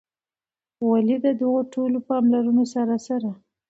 ولي د دغو ټولو پاملرونو سره سره